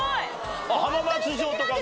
浜松城とかも。